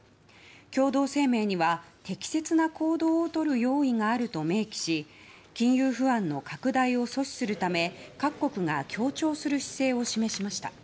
共同声明には適切な行動をとる用意があると明記し金融不安の拡大を阻止するため各国が協調する姿勢を示しました。